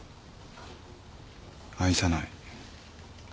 愛さない。